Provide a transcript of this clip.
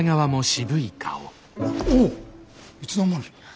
おおっいつの間に！